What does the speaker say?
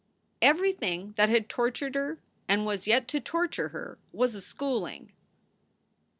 Everything that had tortured her and was yet to torture her was a schooling.